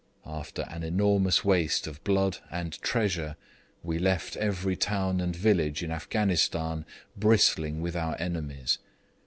After an enormous waste of blood and treasure, we left every town and village of Afghanistan bristling with our enemies.